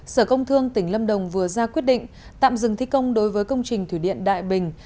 sở công thương tỉnh lâm đồng vừa ra quyết định tạm dừng thi công đối với công trình thủy điện đại bình